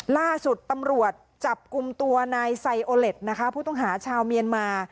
ล่าสุดตำรวจจับกลุ่มตัวนายไซโอเล็ตนะคะผู้ต้องหาชาวเมียนมา